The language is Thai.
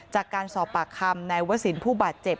จากการสอบปากคำนายวศิลป์ผู้บาดเจ็บ